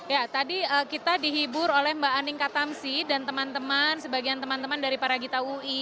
ya tadi kita dihibur oleh mbak aning katamsi dan teman teman sebagian teman teman dari para gita ui